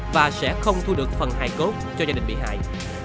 và sẽ không thu được phần hài cốt cho gia đình bị hại